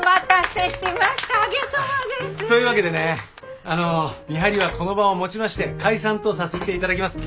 というわけでね見張りはこの場をもちまして解散とさせて頂きます。